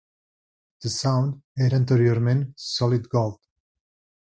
The Sound era anteriorment Solid Gold.